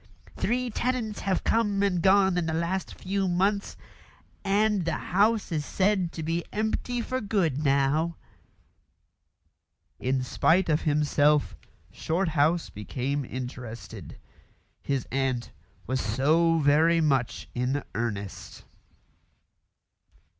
Three tenants have come and gone in the last few months, and the house is said to be empty for good now." In spite of himself Shorthouse became interested. His aunt was so very much in earnest.